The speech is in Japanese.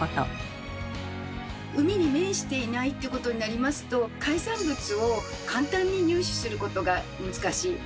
海に面していないってことになりますと海産物を簡単に入手することが難しい。